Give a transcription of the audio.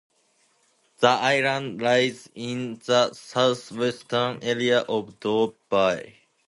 The island lies in the southwestern area of Dove Bay.